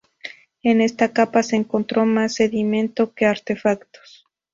En esta capa se encontró más sedimento que artefactos.